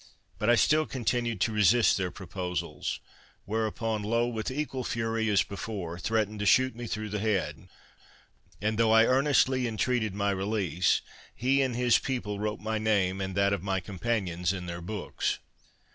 But I still continued to resist their proposals, whereupon Low, with equal fury as before, threatened to shoot me through the head; and though I earnestly entreated my release, he and his people wrote my name, and that of my companions, in their books.